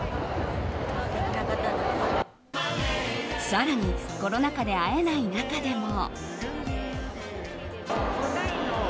更にコロナ禍で会えない中でも。